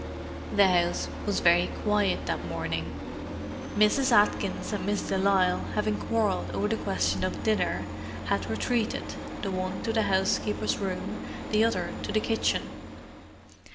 The house was very quiet that morning. Mrs. Atkins and Miss de Lisle having quarrelled over the question of dinner, had retreated, the one to the housekeeper's room, the other to the kitchen.